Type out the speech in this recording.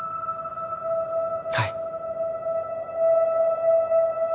はい